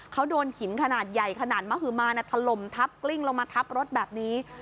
เขาโดนหินขนาดใหญ่ขนาดมหมาถล่มทับกลิ้งลงมาทับรถแบบนี้